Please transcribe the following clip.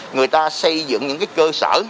người ta xây dựng những cơ sở